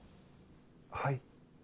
はい。